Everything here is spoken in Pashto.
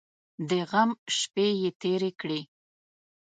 د غم شپې یې تېرې کړې.